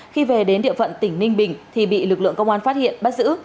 khi về đến địa phận tỉnh ninh bình thì bị lực lượng công an phát hiện bắt giữ